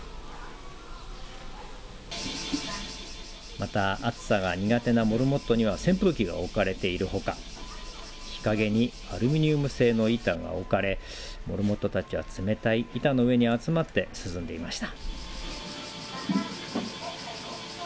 また暑さが苦手なモルモットには扇風機が置かれているほか日陰にアルミニウム製の板が置かれモルモットたちは冷たい板の上に集まって涼んでいました。